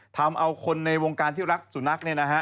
ทำเอาคนในวงการที่รักสุนัก